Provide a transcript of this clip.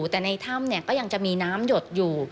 แต่ในถ้ำก็ยังจะมีน้ำหยดอยู่